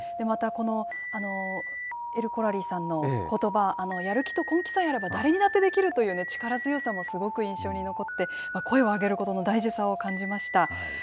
またこのエルコラリーさんのことば、やる気と根気さえあれば誰にだってできるっていう、力強さもすごく印象に残って、声を上げることの大事さを感じました。